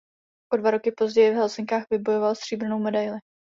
O dva roky později v Helsinkách vybojoval stříbrnou medaili.